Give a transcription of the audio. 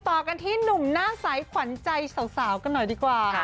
ต่อกันที่หนุ่มหน้าใสขวัญใจสาวกันหน่อยดีกว่า